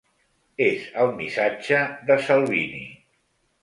És el missatge de Salvini